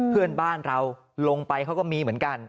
เพื่อนบ้านเราลงไปเขาก็มีเหมือนกัน